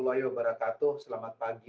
dan perangkat lezat berhenti